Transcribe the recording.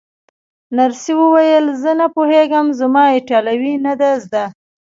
نرسې وویل: زه نه پوهېږم، زما ایټالوي نه ده زده.